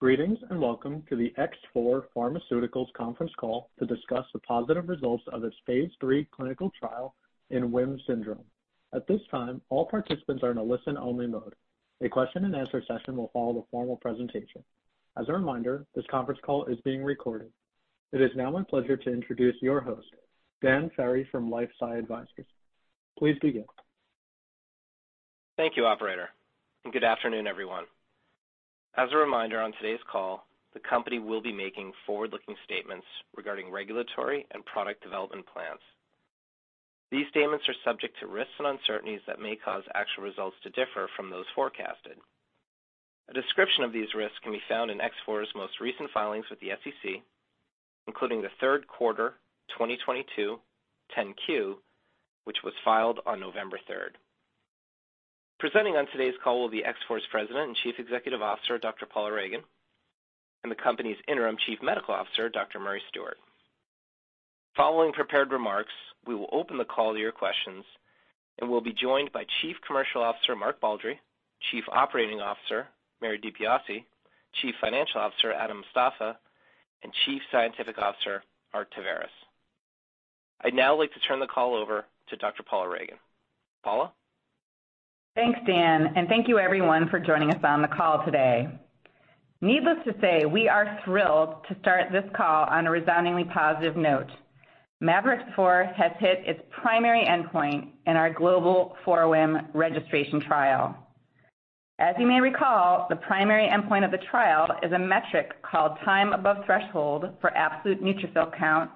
Greetings, welcome to the X4 Pharmaceuticals conference call to discuss the positive results of its phase III clinical trial in WHIM syndrome. At this time, all participants are in a listen-only mode. A question and answer session will follow the formal presentation. As a reminder, this conference call is being recorded. It is now my pleasure to introduce your host, Dan Ferry from LifeSci Advisors. Please begin. Thank you, operator. Good afternoon, everyone. As a reminder, on today's call, the company will be making forward-looking statements regarding regulatory and product development plans. These statements are subject to risks and uncertainties that may cause actual results to differ from those forecasted. A description of these risks can be found in X4's most recent filings with the SEC, including the third quarter 2022 10-Q, which was filed on November third. Presenting on today's call will be X4's President and Chief Executive Officer, Dr. Paula Ragan, and the company's Interim Chief Medical Officer, Dr. Murray Stewart. Following prepared remarks, we will open the call to your questions and we'll be joined by Chief Commercial Officer, Mark Baldry, Chief Operating Officer, Mary DiBiase, Chief Financial Officer, Adam Mostafa, and Chief Scientific Officer, Art Taveras. I'd now like to turn the call over to Dr. Paula Ragan. Paula? Thanks, Dan. Thank you everyone for joining us on the call today. Needless to say, we are thrilled to start this call on a resoundingly positive note. mavorixafor has hit its primary endpoint in our global 4WHIM registration trial. As you may recall, the primary endpoint of the trial is a metric called time above threshold for absolute neutrophil count,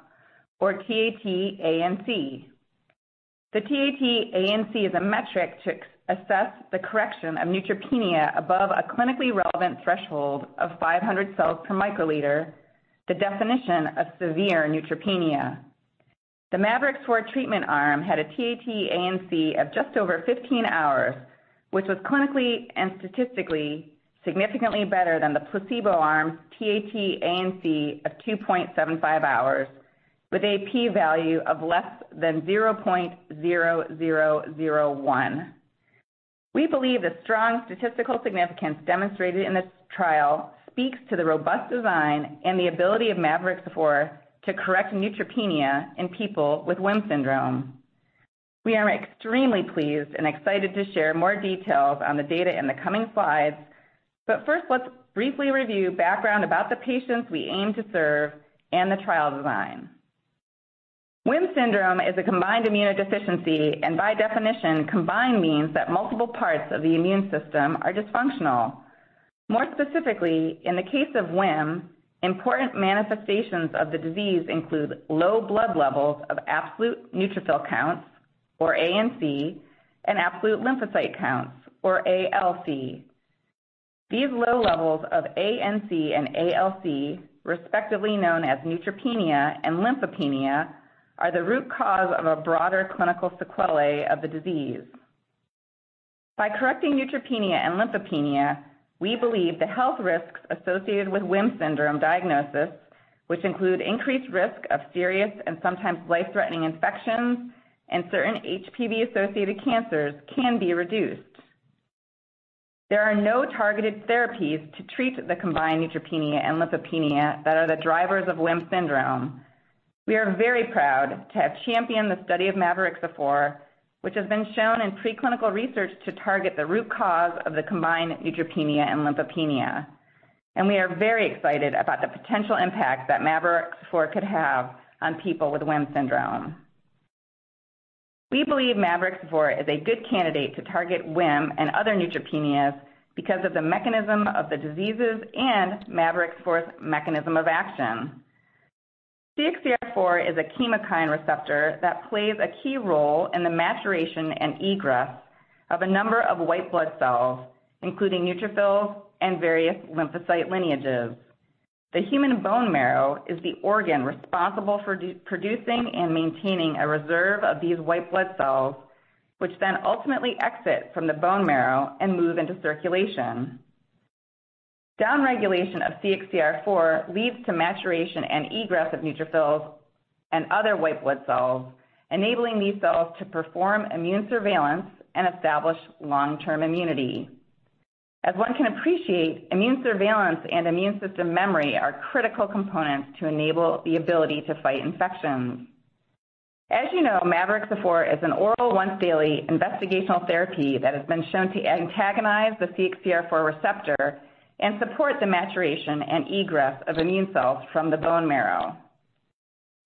or TAT-ANC. The TAT-ANC is a metric to assess the correction of neutropenia above a clinically relevant threshold of 500 cells per microliter, the definition of severe neutropenia. The mavorixafor treatment arm had a TAT-ANC of just over 15 hours, which was clinically and statistically significantly better than the placebo arm's TAT-ANC of 2.75 hours with a P value of less than 0.0001. We believe the strong statistical significance demonstrated in this trial speaks to the robust design and the ability of mavorixafor to correct neutropenia in people with WHIM syndrome. We are extremely pleased and excited to share more details on the data in the coming slides. First, let's briefly review background about the patients we aim to serve and the trial design. WHIM syndrome is a combined immunodeficiency. By definition, combined means that multiple parts of the immune system are dysfunctional. More specifically, in the case of WHIM, important manifestations of the disease include low blood levels of absolute neutrophil counts, or ANC, and absolute lymphocyte counts, or ALC. These low levels of ANC and ALC, respectively known as neutropenia and lymphopenia, are the root cause of a broader clinical sequelae of the disease. By correcting neutropenia and lymphopenia, we believe the health risks associated with WHIM syndrome diagnosis, which include increased risk of serious and sometimes life-threatening infections and certain HPV-associated cancers, can be reduced. There are no targeted therapies to treat the combined neutropenia and lymphopenia that are the drivers of WHIM syndrome. We are very proud to have championed the study of mavorixafor, which has been shown in preclinical research to target the root cause of the combined neutropenia and lymphopenia. We are very excited about the potential impact that mavorixafor could have on people with WHIM syndrome. We believe mavorixafor is a good candidate to target WHIM and other neutropenias because of the mechanism of the diseases and mavorixafor's mechanism of action. CXCR4 is a chemokine receptor that plays a key role in the maturation and egress of a number of white blood cells, including neutrophils and various lymphocyte lineages. The human bone marrow is the organ responsible for de-producing and maintaining a reserve of these white blood cells, which then ultimately exit from the bone marrow and move into circulation. Down-regulation of CXCR4 leads to maturation and egress of neutrophils and other white blood cells, enabling these cells to perform immune surveillance and establish long-term immunity. As one can appreciate, immune surveillance and immune system memory are critical components to enable the ability to fight infections. As you know, mavorixafor is an oral once-daily investigational therapy that has been shown to antagonize the CXCR4 receptor and support the maturation and egress of immune cells from the bone marrow.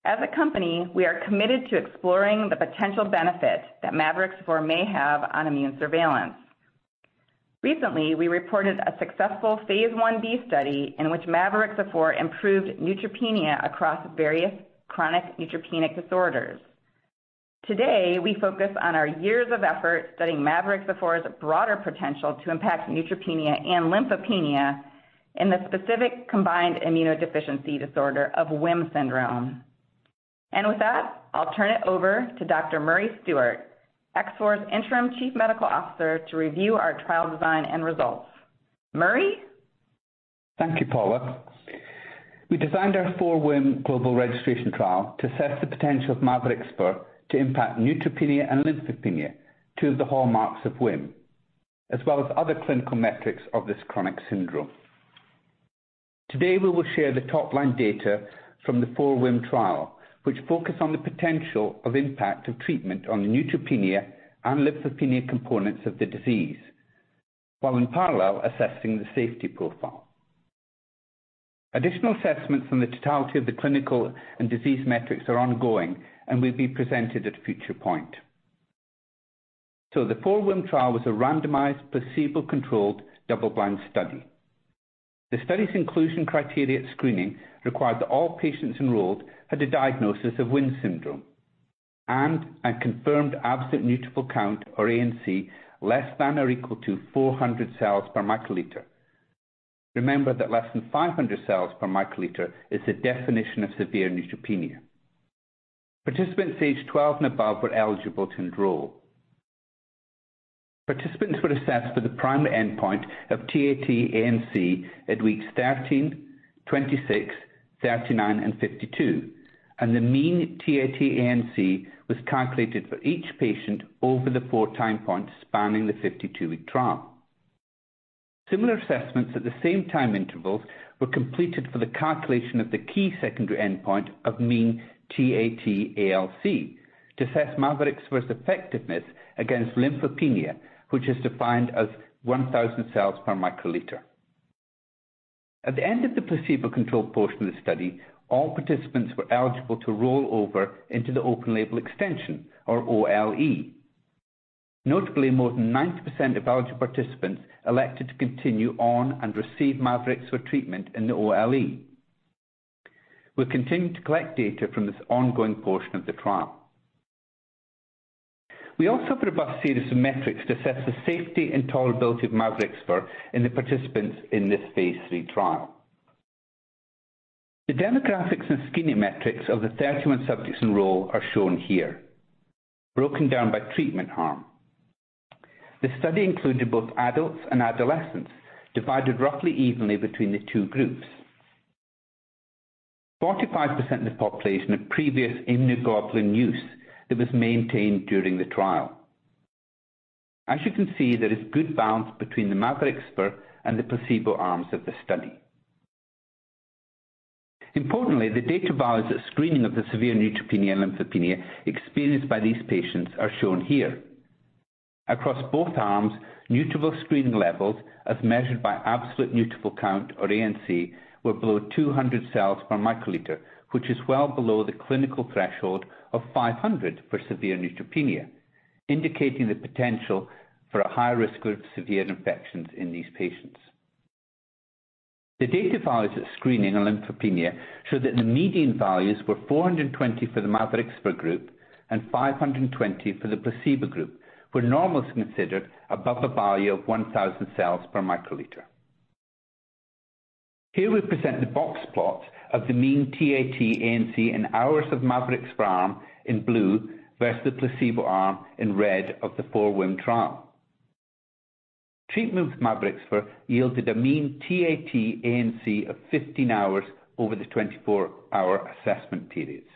As a company, we are committed to exploring the potential benefit that mavorixafor may have on immune surveillance. Recently, we reported a successful phase I-B study in which mavorixafor improved neutropenia across various chronic neutropenic disorders. Today, we focus on our years of effort studying mavorixafor's broader potential to impact neutropenia and lymphopenia in the specific combined immunodeficiency disorder of WHIM syndrome. With that, I'll turn it over to Dr. Murray Stewart, X4's Interim Chief Medical Officer, to review our trial design and results. Murray? Thank you, Paula. We designed our 4WHIM global registration trial to assess the potential of mavorixafor to impact neutropenia and lymphopenia, two of the hallmarks of WHIM syndrome, as well as other clinical metrics of this chronic syndrome. Today, we will share the top-line data from the 4WHIM trial, which focus on the potential of impact of treatment on the neutropenia and lymphopenia components of the disease, while in parallel assessing the safety profile. Additional assessments from the totality of the clinical and disease metrics are ongoing and will be presented at a future point. The 4WHIM trial was a randomized, placebo-controlled, double-blind study. The study's inclusion criteria at screening required that all patients enrolled had a diagnosis of WHIM syndrome and a confirmed absolute neutrophil count, or ANC, less than or equal to 400 cells per microliter. Remember that less than 500 cells per microliter is the definition of severe neutropenia. Participants aged 12 and above were eligible to enroll. Participants were assessed for the primary endpoint of TAT ANC at weeks 13, 26, 39, and 52, and the mean TAT ANC was calculated for each patient over the four time points spanning the 52-week trial. Similar assessments at the same time intervals were completed for the calculation of the key secondary endpoint of mean TAT-ALC to assess mavorixafor's effectiveness against lymphopenia, which is defined as 1,000 cells per microliter. At the end of the placebo-controlled portion of the study, all participants were eligible to roll over into the open-label extension, or OLE. Notably, more than 90% of eligible participants elected to continue on and receive mavorixafor treatment in the OLE. We're continuing to collect data from this ongoing portion of the trial. We also have a robust series of metrics to assess the safety and tolerability of mavorixafor in the participants in this phase III trial. The demographics and screening metrics of the 31 subjects enrolled are shown here, broken down by treatment arm. The study included both adults and adolescents, divided roughly evenly between the two groups. 45% of the population had previous immunoglobulin use that was maintained during the trial. As you can see, there is good balance between the mavorixafor and the placebo arms of the study. Importantly, the data values at screening of the severe neutropenia and lymphopenia experienced by these patients are shown here. Across both arms, neutrophil screening levels, as measured by absolute neutrophil count, or ANC, were below 200 cells per microliter, which is well below the clinical threshold of 500 for severe neutropenia, indicating the potential for a high-risk group of severe infections in these patients. The data values at screening on lymphopenia show that the median values were 420 for the mavorixafor group and 520 for the placebo group, where normal is considered above a value of 1,000 cells per microliter. Here we present the box plots of the mean TAT ANC and hours of mavorixafor arm in blue versus the placebo arm in red of the 4WHIM trial. Treatment with mavorixafor yielded a mean TAT ANC of 15 hours over the 24-hour assessment periods.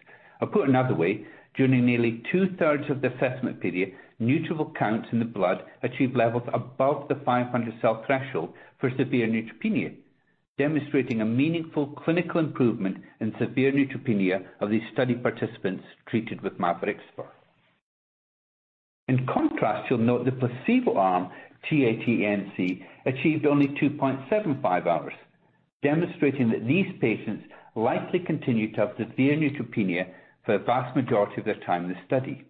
Put another way, during nearly two-thirds of the assessment period, neutrophil counts in the blood achieved levels above the 500 cell threshold for severe neutropenia, demonstrating a meaningful clinical improvement in severe neutropenia of these study participants treated with mavorixafor. In contrast, you'll note the placebo arm TAT ANC achieved only 2.75 hours, demonstrating that these patients likely continued to have severe neutropenia for a vast majority of their time in the study.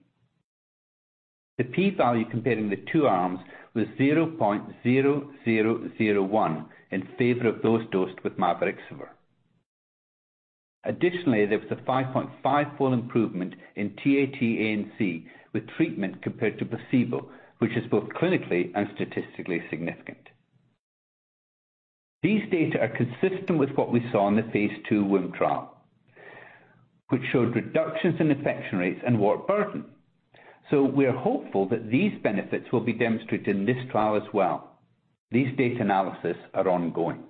The P value comparing the two arms was 0.0001 in favor of those dosed with mavorixafor. Additionally, there was a 5.5-fold improvement in TAT ANC with treatment compared to placebo, which is both clinically and statistically significant. These data are consistent with what we saw in the phase II WHIM trial, which showed reductions in infection rates and wart burden. We're hopeful that these benefits will be demonstrated in this trial as well. These data analysis are ongoing.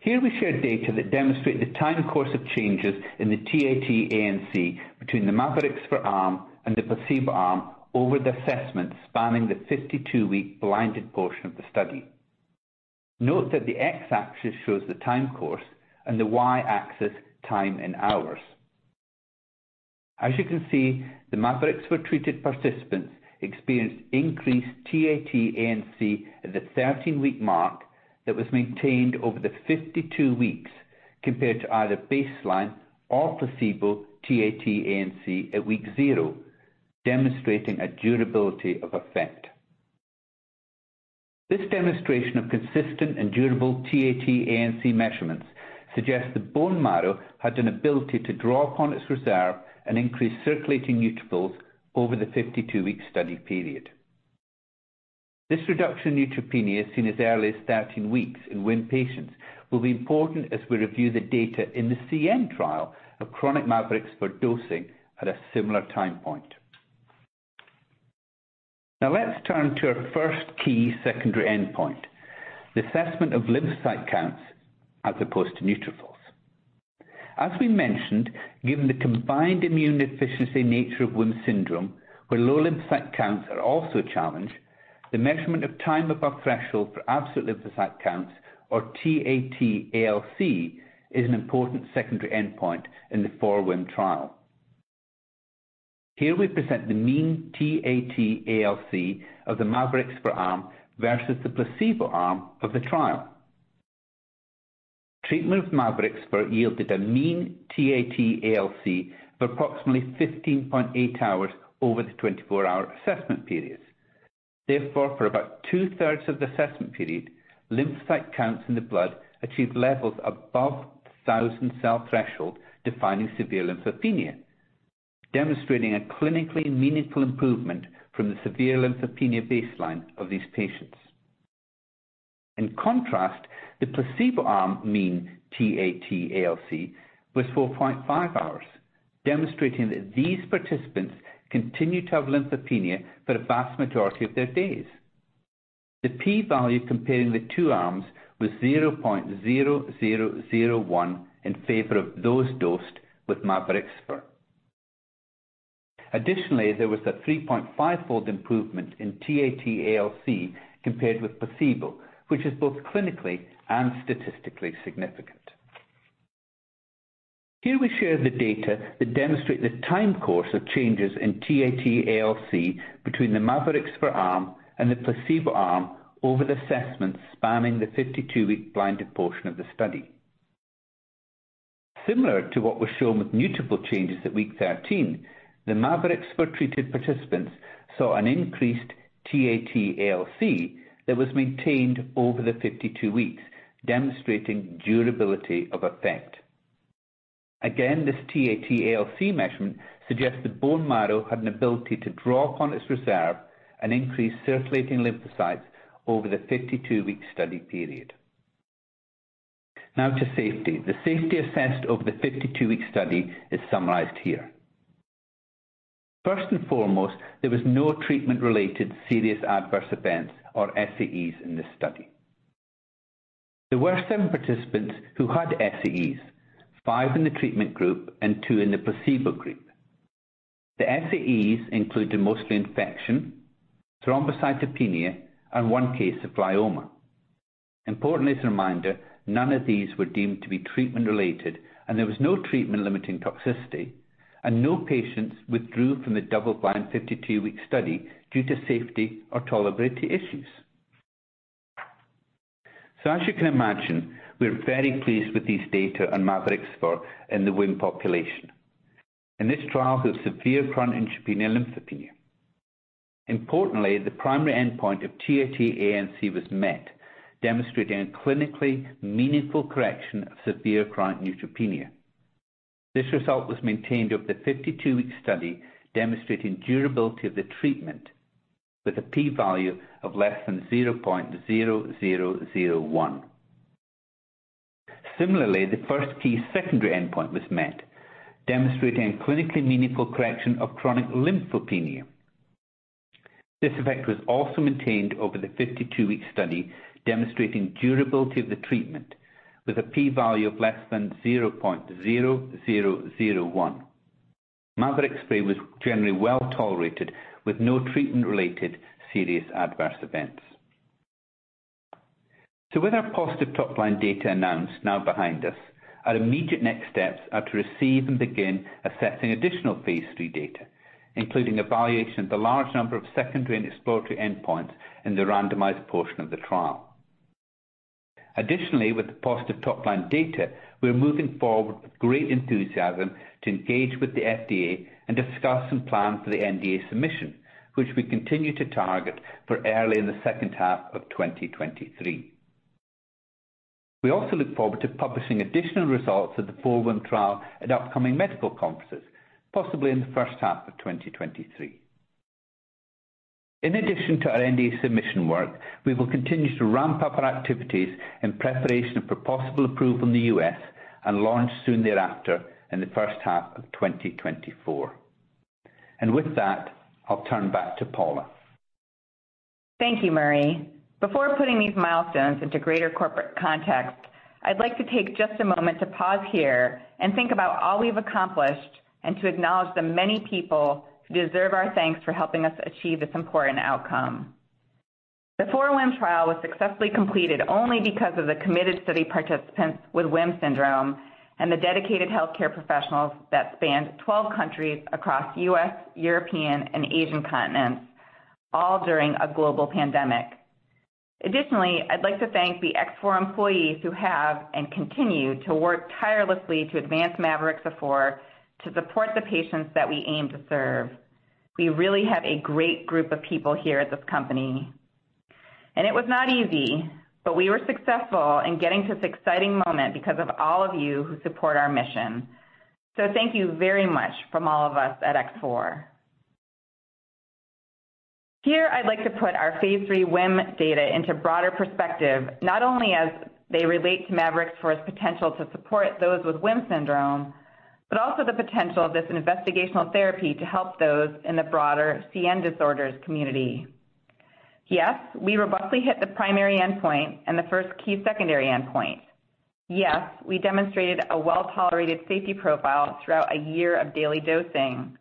Here we share data that demonstrate the time course of changes in the TAT-ANC between the mavorixafor arm and the placebo arm over the assessment spanning the 52-week blinded portion of the study. Note that the X-axis shows the time course and the Y-axis time in hours. As you can see, the mavorixafor-treated participants experienced increased TAT-ANC at the 13-week mark that was maintained over the 52 weeks compared to either baseline or placebo TAT-ANC at week 0, demonstrating a durability of effect. This demonstration of consistent and durable TAT-ANC measurements suggests the bone marrow had an ability to draw upon its reserve and increase circulating neutrophils over the 52-week study period. This reduction in neutropenia, seen as early as 13 weeks in WHIM patients, will be important as we review the data in the CN trial of chronic mavorixafor dosing at a similar time point. Let's turn to our first key secondary endpoint, the assessment of lymphocyte counts as opposed to neutrophils. As we mentioned, given the combined immune deficiency nature of WHIM syndrome, where low lymphocyte counts are also a challenge, the measurement of time above threshold for absolute lymphocyte counts, or TAT-ALC, is an important secondary endpoint in the 4WHIM trial. Here we present the mean TAT-ALC of the mavorixafor arm versus the placebo arm of the trial. Treatment with mavorixafor yielded a mean TAT-ALC of approximately 15.8 hours over the 24-hour assessment periods. Therefore, for about two-thirds of the assessment period, lymphocyte counts in the blood achieved levels above the 1,000-cell threshold defining severe lymphopenia, demonstrating a clinically meaningful improvement from the severe lymphopenia baseline of these patients. In contrast, the placebo arm mean TAT-ALC was 4.5 hours, demonstrating that these participants continued to have lymphopenia for the vast majority of their days. The P value comparing the two arms was 0.0001 in favor of those dosed with mavorixafor. Additionally, there was a 3.5-fold improvement in TAT-ALC compared with placebo, which is both clinically and statistically significant. Here we share the data that demonstrate the time course of changes in TAT-ALC between the mavorixafor arm and the placebo arm over the assessment spanning the 52-week blinded portion of the study. Similar to what was shown with multiple changes at week 13, the mavorixafor-treated participants saw an increased TAT-ALC that was maintained over the 52 weeks, demonstrating durability of effect. Again, this TAT-ALC measurement suggests that bone marrow had an ability to draw upon its reserve and increase circulating lymphocytes over the 52-week study period. Now to safety. The safety assessed over the 52-week study is summarized here. First and foremost, there was no treatment-related serious adverse events or SAEs in this study. There were seven participants who had SAEs, five in the treatment group and two in the placebo group. The SAEs included mostly infection, thrombocytopenia, and one case of glioma. Importantly, as a reminder, none of these were deemed to be treatment related, there was no treatment limiting toxicity, no patients withdrew from the double-blind 52-week study due to safety or tolerability issues. As you can imagine, we're very pleased with these data on mavorixafor in the WHIM population, in this trial with severe chronic neutropenia lymphopenia. Importantly, the primary endpoint of TAT-ANC was met, demonstrating a clinically meaningful correction of severe chronic neutropenia. This result was maintained over the 52-week study, demonstrating durability of the treatment with a P value of less than 0.0001. Similarly, the first key secondary endpoint was met, demonstrating clinically meaningful correction of chronic lymphopenia. This effect was also maintained over the 52-week study, demonstrating durability of the treatment with a P value of less than 0.0001. Mavorixafor was generally well tolerated, with no treatment-related serious adverse events. With our positive top line data announced now behind us, our immediate next steps are to receive and begin assessing additional phase III data, including evaluation of the large number of secondary and exploratory endpoints in the randomized portion of the trial. Additionally, with the positive top line data, we're moving forward with great enthusiasm to engage with the FDA and discuss some plans for the NDA submission, which we continue to target for early in the second half of 2023. We also look forward to publishing additional results of the 4WHIM trial at upcoming medical conferences, possibly in the first half of 2023. In addition to our NDA submission work, we will continue to ramp up our activities in preparation for possible approval in the U.S. and launch soon thereafter in the first half of 2024. With that, I'll turn back to Paula. Thank you, Murray. Before putting these milestones into greater corporate context, I'd like to take just a moment to pause here and think about all we've accomplished and to acknowledge the many people who deserve our thanks for helping us achieve this important outcome. The 4WHIM trial was successfully completed only because of the committed study participants with WHIM syndrome and the dedicated healthcare professionals that spanned 12 countries across U.S., European, and Asian continents, all during a global pandemic. Additionally, I'd like to thank the X4 employees who have and continue to work tirelessly to advance mavorixafor to support the patients that we aim to serve. We really have a great group of people here at this company, and it was not easy, but we were successful in getting to this exciting moment because of all of you who support our mission. Thank you very much from all of us at X4. Here I'd like to put our phase III WHIM data into broader perspective, not only as they relate to mavorixafor's potential to support thosPe with WHIM syndrome, also the potential of this investigational therapy to help those in the broader CN disorders community. Yes, we robustly hit the primary endpoint and the first key secondary endpoint. Yes, we demonstrated a well-tolerated safety profile throughout a year of daily dosing.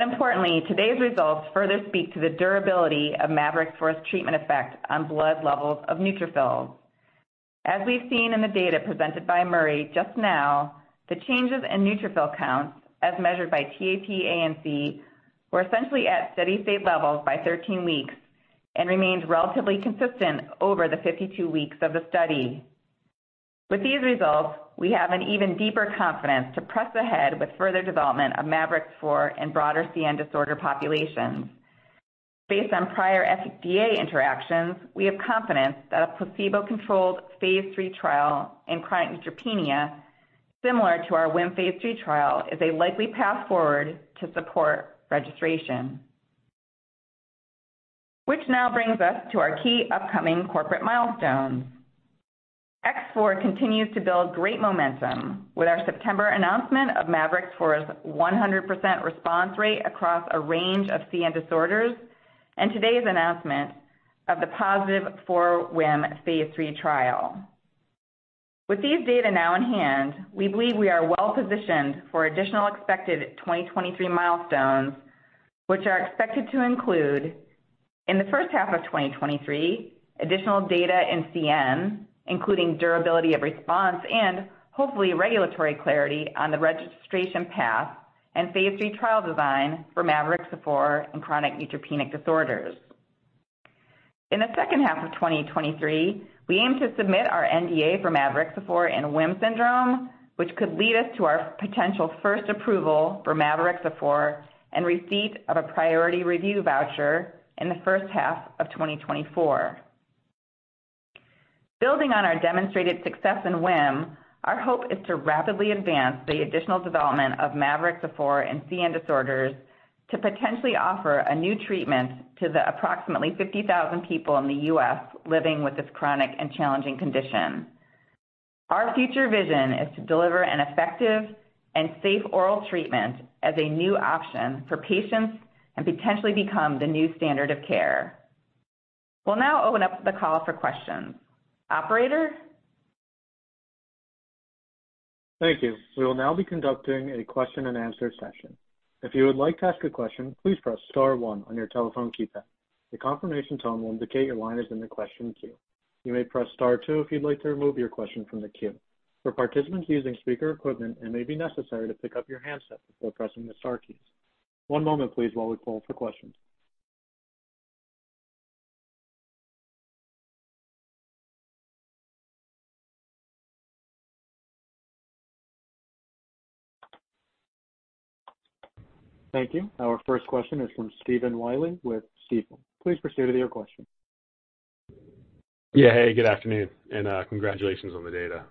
Importantly, today's results further speak to the durability of mavorixafor's treatment effect on blood levels of neutrophils. As we've seen in the data presented by Murray just now, the changes in neutrophil counts, as measured by TAT-ANC, were essentially at steady-state levels by 13 weeks and remained relatively consistent over the 52 weeks of the study. With these results, we have an even deeper confidence to press ahead with further development of mavorixafor in broader CN disorder populations. Based on prior FDA interactions, we have confidence that a placebo-controlled phase III trial in chronic neutropenia, similar to our WHIM phase III trial, is a likely path forward to support registration. Now brings us to our key upcoming corporate milestones. X4 continues to build great momentum with our September announcement of mavorixafor's as 100% response rate across a range of CN disorders, and today's announcement of the positive 4WHIM phase III trial. With these data now in hand, we believe we are well-positioned for additional expected 2023 milestones, which are expected to include, in the first half of 2023, additional data in CN, including durability of response and hopefully regulatory clarity on the registration path and phase III trial design for mavorixafor and chronic neutropenic disorders. In the second half of 2023, we aim to submit our NDA for mavorixafor in WHIM syndrome, which could lead us to our potential first approval for mavorixafor and receipt of a priority review voucher in the first half of 2024. Building on our demonstrated success in WHIM, our hope is to rapidly advance the additional development of mavorixafor in CN disorders to potentially offer a new treatment to the approximately 50,000 people in the U.S. living with this chronic and challenging condition. Our future vision is to deliver an effective and safe oral treatment as a new option for patients and potentially become the new standard of care. We'll now open up the call for questions. Operator? Thank you. We will now be conducting a question and answer session. If you would like to ask a question, please press star one on your telephone keypad. The confirmation tone will indicate your line is in the question queue. You may press star two if you'd like to remove your question from the queue. For participants using speaker equipment, it may be necessary to pick up your handset before pressing the star keys. One moment, please, while we poll for questions. Thank you. Our first question is from Stephen Willey with Stifel. Please proceed with your question. Hey, good afternoon and congratulations on the data.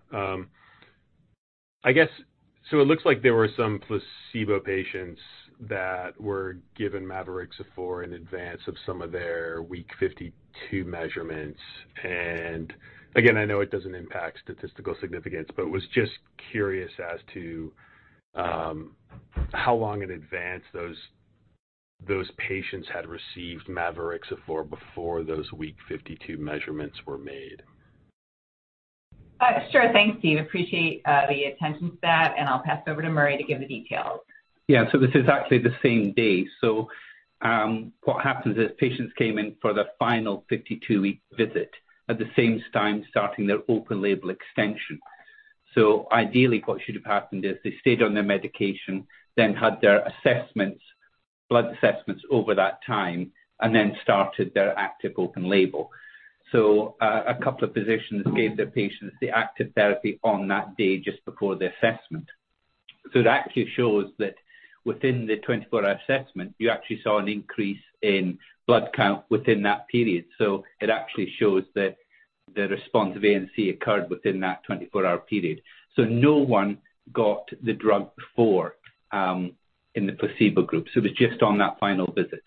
It looks like there were some placebo patients that were given mavorixafor in advance of some of their week 52 measurements. Again, I know it doesn't impact statistical significance, but was just curious as to how long in advance those patients had received mavorixafor before those week 52 measurements were made. Sure. Thanks, Steve. Appreciate the attention to that, and I'll pass over to Murray to give the details. This is actually the same day. What happens is patients came in for the final 52-week visit at the same time starting their open label extension. Ideally, what should have happened is they stayed on their medication, then had their assessments, blood assessments over that time, and then started their active open label. A couple of physicians gave their patients the active therapy on that day just before the assessment. It actually shows that within the 24-hour assessment, you actually saw an increase in blood count within that period. It actually shows that the response of ANC occurred within that 24-hour period. No one got the drug before in the placebo group. It was just on that final visit.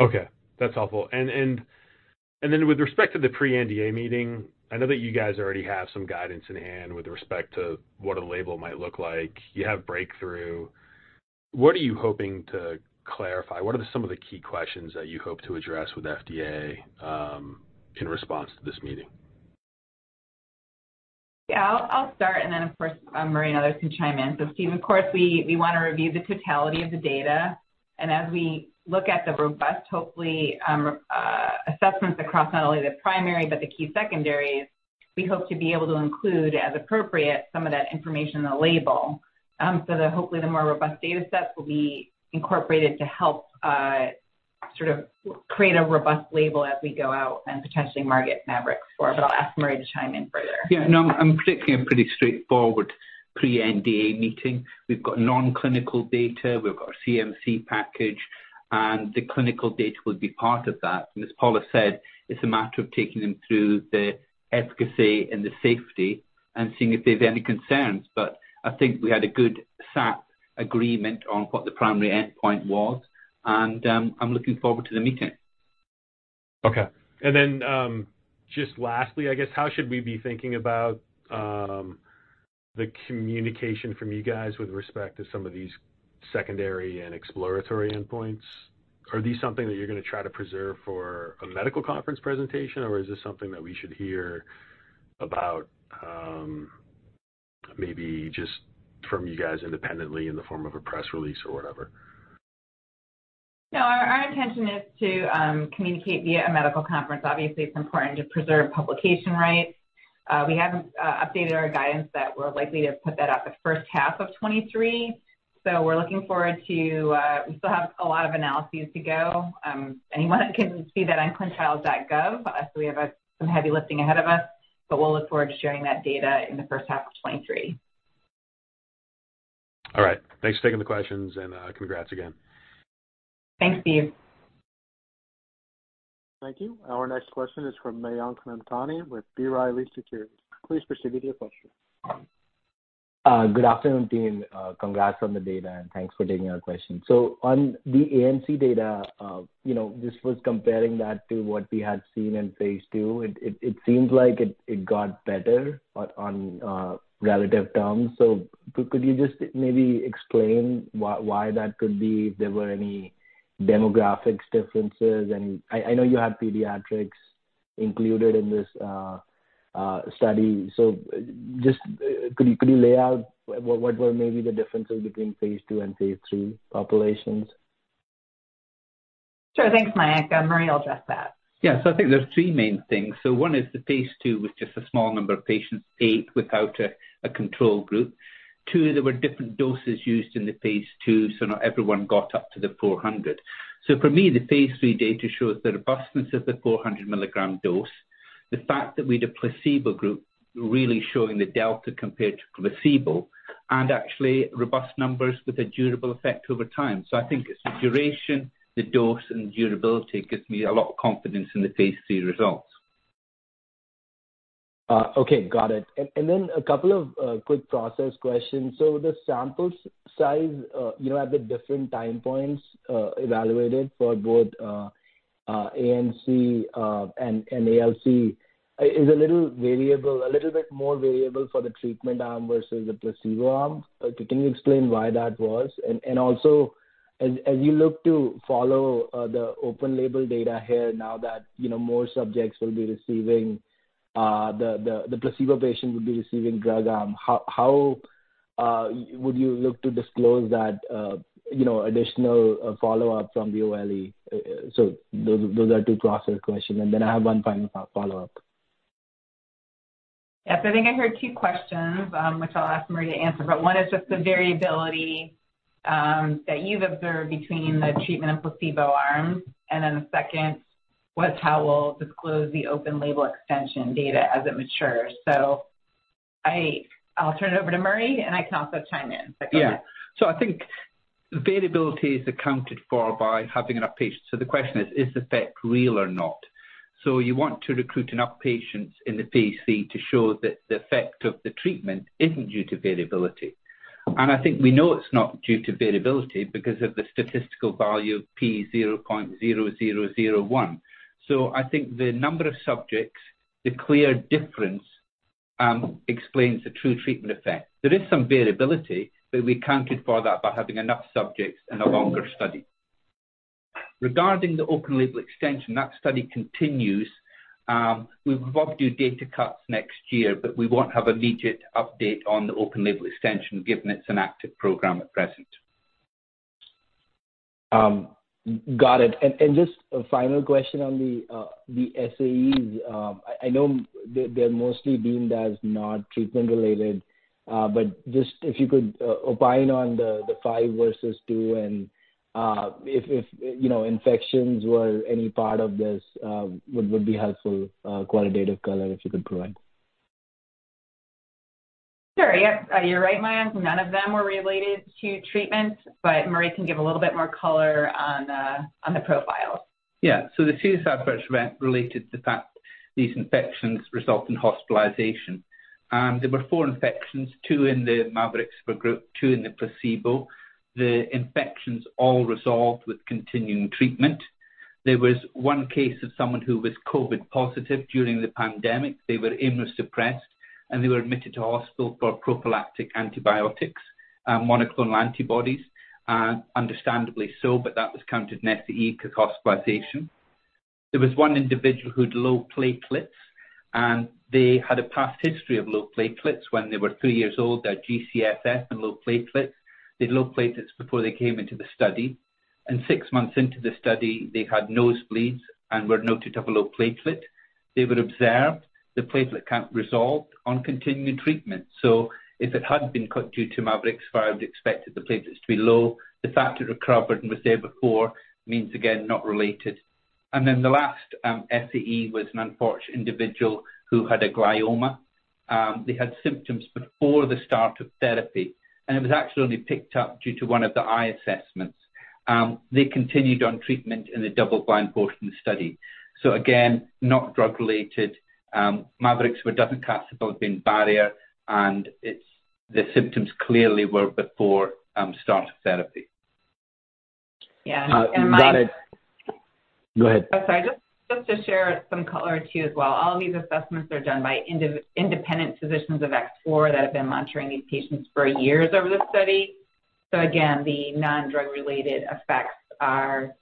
Okay, that's helpful. With respect to the pre-NDA meeting, I know that you guys already have some guidance in hand with respect to what a label might look like. You have breakthrough. What are you hoping to clarify? What are some of the key questions that you hope to address with FDA in response to this meeting? Yeah, I'll start, then of course, Murray and others can chime in. Steve, of course, we wanna review the totality of the data. As we look at the robust, hopefully, assessments across not only the primary but the key secondaries, we hope to be able to include as appropriate some of that information in the label. That hopefully the more robust data sets will be incorporated to help sort of create a robust label as we go out and potentially market mavorixafor. I'll ask Murray to chime in further. Yeah. No, I'm predicting a pretty straightforward pre-NDA meeting. We've got non-clinical data, we've got our CMC package, and the clinical data will be part of that. As Paula said, it's a matter of taking them through the efficacy and the safety and seeing if they have any concerns. I think we had a good SAP agreement on what the primary endpoint was, and I'm looking forward to the meeting. Okay. And then, just lastly, I guess how should we be thinking about, the communication from you guys with respect to some of these secondary and exploratory endpoints? Are these something that you're going to try to preserve for a medical conference presentation, or is this something that we should hear about, maybe just from you guys independently in the form of a press release or whatever? Our intention is to communicate via a medical conference. Obviously, it's important to preserve publication rights. We haven't updated our guidance that we're likely to put that out the first half of 2023. We're looking forward to. We still have a lot of analyses to go. Anyone can see that on ClinicalTrials.gov. We have some heavy lifting ahead of us, but we'll look forward to sharing that data in the first half of 2023. All right. Thanks for taking the questions and, congrats again. Thanks, Steve. Thank you. Our next question is from Mayank Mamtani with B. Riley Securities. Please proceed with your question. Good afternoon, team. Congrats on the data, and thanks for taking our question. On the ANC data, you know, just was comparing that to what we had seen in phase II. It seems like it got better on relative terms. Could you just maybe explain why that could be, if there were any demographics differences? And I know you had pediatrics included in this study. Just, could you lay out what were maybe the differences between phase II and phase III populations? Sure. Thanks, Mayank. Murray will address that. Yeah. I think there's three main things. One is the phase II with just a small number of patients, eight, without a control group. Two, there were different doses used in the phase II, so not everyone got up to the 400. For me, the phase III data shows the robustness of the 400 mg dose. The fact that we had a placebo group really showing the delta compared to placebo, and actually robust numbers with a durable effect over time. I think it's the duration, the dose, and durability gives me a lot of confidence in the phase III results. Okay. Got it. Then a couple of quick process questions. The sample size, you know, at the different time points, evaluated for both ANC and ALC is a little bit more variable for the treatment arm versus the placebo arm. Can you explain why that was? Also as you look to follow the open label data here now that, you know, more subjects will be receiving the placebo patient will be receiving drug arm, how would you look to disclose that, you know, additional follow-up from the OLE? Those are two process questions. Then I have one final follow-up. Yes. I think I heard two questions, which I'll ask Murray to answer. One is just the variability, that you've observed between the treatment and placebo arms. The second was how we'll disclose the open label extension data as it matures. I'll turn it over to Murray, and I can also chime in if I can. I think variability is accounted for by having enough patients. The question is the effect real or not? You want to recruit enough patients in the phase III to show that the effect of the treatment isn't due to variability. I think we know it's not due to variability because of the statistical value of P 0.0001. I think the number of subjects, the clear difference, explains the true treatment effect. There is some variability, we accounted for that by having enough subjects in a longer study. Regarding the open label extension, that study continues. We will do data cuts next year, we won't have immediate update on the open label extension, given it's an active program at present. Got it. Just a final question on the SAEs. I know they're mostly deemed as not treatment related, but just if you could opine on the five versus two and, if, you know, infections were any part of this, would be helpful, qualitative color if you could provide. Sure, yes. You're right, Mayank. None of them were related to treatment. Murray can give a little bit more color on the profile. Yeah. The two adverse event related to the fact these infections result in hospitalization. There were four infections, two in the mavorixafor group, two in the placebo. The infections all resolved with continuing treatment. There was one case of someone who was COVID positive during the pandemic. They were immunosuppressed, they were admitted to hospital for prophylactic antibiotics and monoclonal antibodies, understandably so, but that was counted in SAE because hospitalization. There was one individual who had low platelets, they had a past history of low platelets when they were two years old. They had GCSF and low platelets. They had low platelets before they came into the study. Six months into the study, they had nosebleeds and were noted to have a low platelet. They were observed. The platelet count resolved on continuing treatment. If it had been cut due to mavorixafor, I would expected the platelets to be low. The fact it recovered and was there before means, again, not related. The last SAE was an unfortunate individual who had a glioma. They had symptoms before the start of therapy, and it was actually picked up due to one of the eye assessments. They continued on treatment in the double-blind portion of the study. Not drug related. Mavorixafor doesn't cross the blood-brain barrier, the symptoms clearly were before start of therapy. Yeah, Mike. Got it. Go ahead. Oh, sorry. Just to share some color too as well. All these assessments are done by independent physicians of X4 that have been monitoring these patients for years over the study. Again, the non-drug related effects are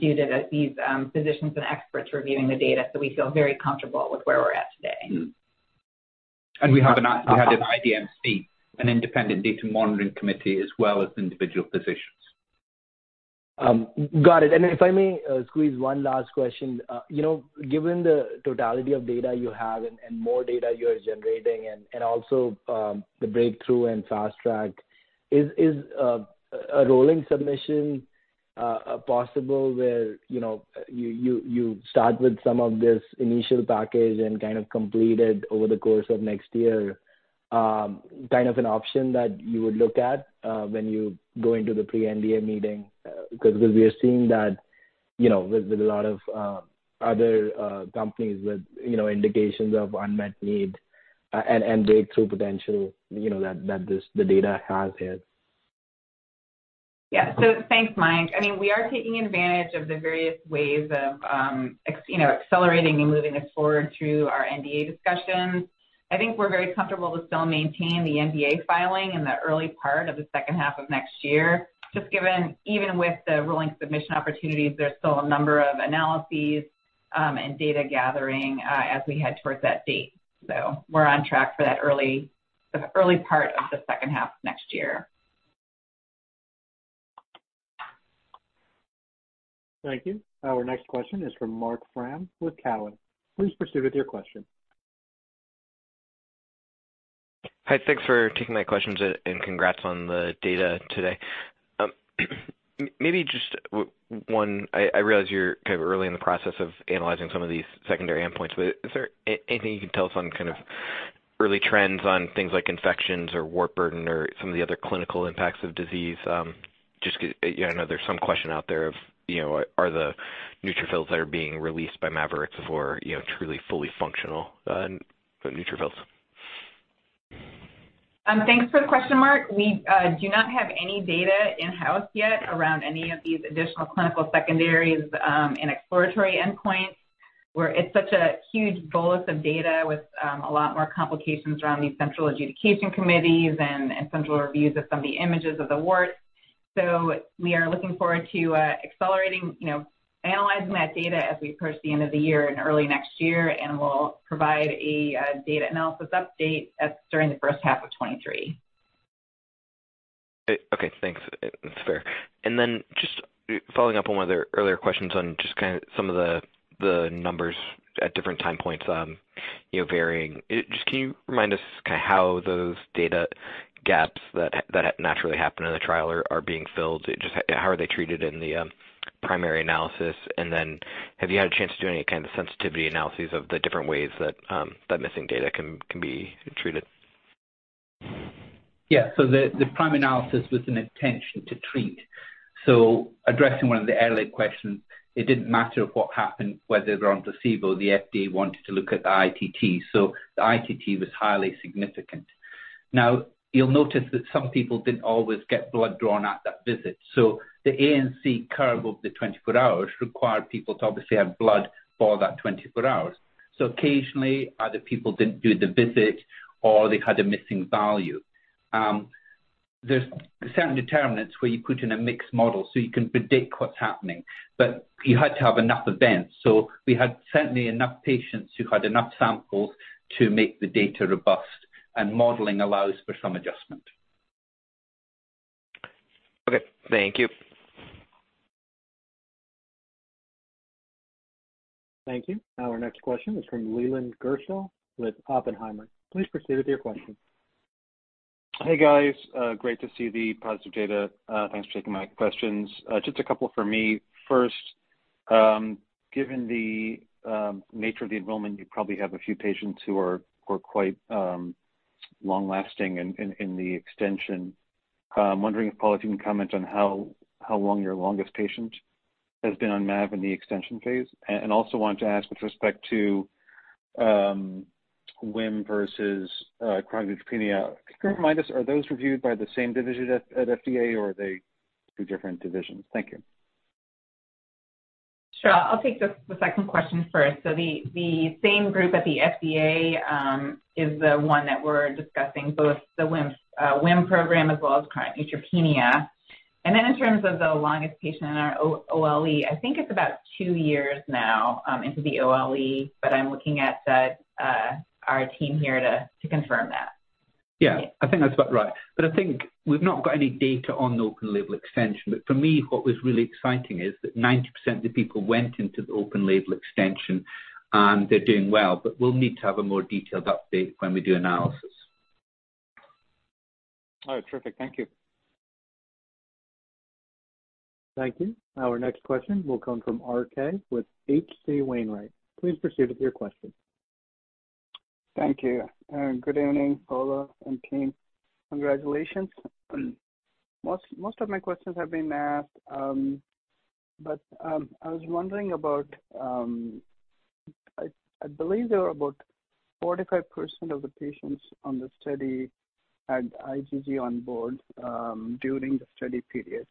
due to these physicians and experts reviewing the data, so we feel very comfortable with where we're at today. We had an IDMC, an independent data monitoring committee, as well as individual physicians. Got it. If I may, squeeze one last question. You know, given the totality of data you have and more data you are generating and also, the breakthrough and fast track, is a rolling submission possible where, you know, you start with some of this initial package and kind of complete it over the course of next year, kind of an option that you would look at when you go into the pre-NDA meeting? We are seeing that, you know, with a lot of other companies with, you know, indications of unmet need and breakthrough potential, you know, that this, the data has h ere. Thanks, Mike. I mean, we are taking advantage of the various ways of, you know, accelerating and moving us forward through our NDA discussions. I think we're very comfortable to still maintain the NDA filing in the early part of the second half of next year. Just given even with the rolling submission opportunities, there's still a number of analyses, and data gathering, as we head towards that date. We're on track for that early, the early part of the second half of next year. Thank you. Our next question is from Marc Frahm with Cowen. Please proceed with your question. Hi. Thanks for taking my questions and congrats on the data today. maybe just one, I realize you're kind of early in the process of analyzing some of these secondary endpoints, but is there anything you can tell us on kind of early trends on things like infections or wart burden or some of the other clinical impacts of disease? just 'cause, you know, there's some question out there of, you know, are the neutrophils that are being released by mavorixafor, you know, truly fully functional. Thanks for the question, Mark. We do not have any data in-house yet around any of these additional clinical secondaries and exploratory endpoints, where it's such a huge bolus of data with a lot more complications around these central adjudication committees and central reviews of some of the images of the warts. We are looking forward to accelerating, you know, analyzing that data as we approach the end of the year and early next year, and we'll provide a data analysis update during the first half of 2023. Okay, thanks. That's fair. Just following up on one of the earlier questions on just kind of some of the numbers at different time points, you know, varying. Just can you remind us kind of how those data gaps that naturally happen in the trial are being filled? Just how are they treated in the primary analysis? Have you had a chance to do any kind of sensitivity analyses of the different ways that missing data can be treated? The prime analysis was an intention to treat. Addressing one of the earlier questions, it didn't matter what happened, whether they were on placebo, the FDA wanted to look at the ITT. The ITT was highly significant. You'll notice that some people didn't always get blood drawn at that visit. The ANC curve of the 24 hours required people to obviously have blood for that 24 hours. Occasionally, either people didn't do the visit or they had a missing value. There's certain determinants where you put in a mixed model, so you can predict what's happening. You had to have enough events. We had certainly enough patients who had enough samples to make the data robust, and modeling allows for some adjustment. Okay. Thank you. Thank you. Our next question is from Leland Gershell with Oppenheimer. Please proceed with your question. Hey, guys. Great to see the positive data. Thanks for taking my questions. Just a couple for me. First, given the nature of the enrollment, you probably have a few patients who are quite long-lasting in the extension. I'm wondering if, Paula, if you can comment on how long your longest patient has been on MAV in the extension phase. Also wanted to ask with respect to WHIM syndrome versus chronic neutropenia. Can you remind us, are those reviewed by the same division at FDA or are they two different divisions? Thank you. Sure. I'll take the second question first. The, the same group at the FDA is the one that we're discussing, both the WHIMs, WHIM program as well as chronic neutropenia. In terms of the longest patient in our OLE, I think it's about two years now into the OLE, but I'm looking at the our team here to confirm that. Yeah. I think that's about right. I think we've not got any data on the open label extension. For me, what was really exciting is that 90% of the people went into the open label extension, and they're doing well. We'll need to have a more detailed update when we do analysis. All right. Terrific. Thank you. Thank you. Our next question will come from RK with H.C. Wainwright & Co. Please proceed with your question. Thank you. Good evening, Paula and team. Congratulations. Most of my questions have been asked. I was wondering about, I believe there were about 45% of the patients on the study had IgG on board, during the study period.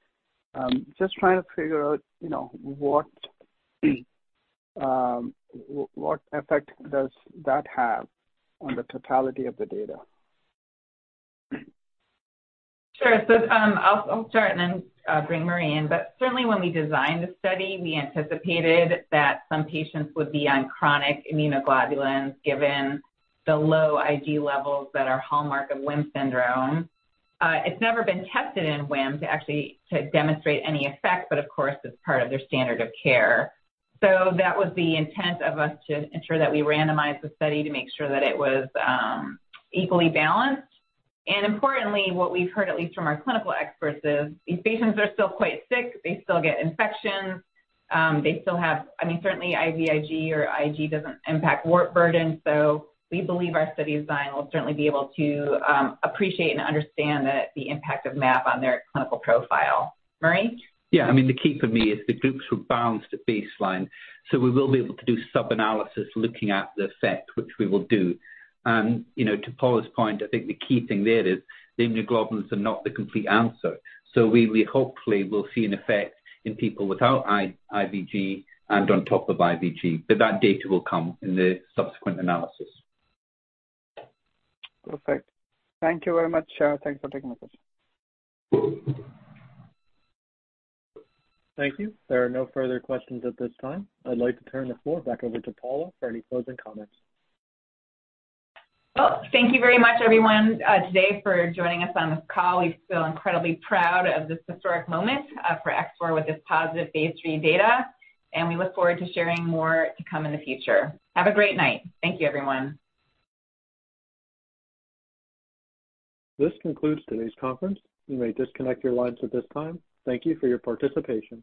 Just trying to figure out, you know, what effect does that have on the totality of the data? Sure. I'll start and then bring Murray in. Certainly when we designed the study, we anticipated that some patients would be on chronic immunoglobulins, given the low IG levels that are hallmark of WHIM syndrome. It's never been tested in WHIM to actually demonstrate any effect, but of course it's part of their standard of care. That was the intent of us to ensure that we randomized the study to make sure that it was equally balanced. Importantly, what we've heard, at least from our clinical experts, is these patients are still quite sick. They still get infections. I mean, certainly IVIG or IG doesn't impact wart burden. We believe our study design will certainly be able to appreciate and understand the impact of mavorixafor on their clinical profile. Murray? Yeah. I mean, the key for me is the groups were balanced at baseline, so we will be able to do sub-analysis looking at the effect, which we will do. You know, to Paula's point, I think the key thing there is the immunoglobulins are not the complete answer. We hopefully will see an effect in people without IVIG and on top of IVIG, but that data will come in the subsequent analysis. Perfect. Thank you very much. Thanks for taking my question. Thank you. There are no further questions at this time. I'd like to turn the floor back over to Paula for any closing comments. Thank you very much everyone, today for joining us on this call. We feel incredibly proud of this historic moment, for X4 with this positive phase III data, and we look forward to sharing more to come in the future. Have a great night. Thank you, everyone. This concludes today's conference. You may disconnect your lines at this time. Thank you for your participation.